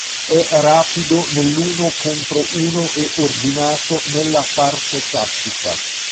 È rapido nell'uno contro uno e ordinato nella parte tattica.